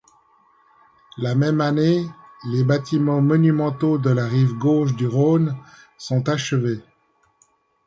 La même année, les bâtiments monumentaux de la rive gauche du Rhône sont achevés.